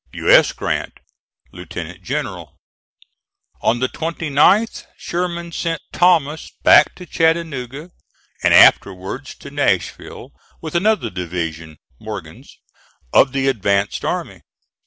U. S. GRANT, Lieutenant General. On the 29th Sherman sent Thomas back to Chattanooga, and afterwards to Nashville, with another division (Morgan's) of the advanced army.